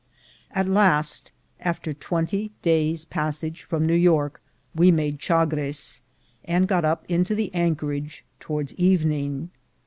At last, after twenty days' passage from New York, we made Chagres, and got up to the anchorage towards evening.